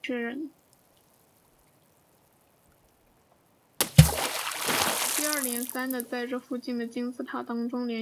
接二连三的在这附近的金字塔当中陆续了也发现了该文字并将它称为金字塔文本。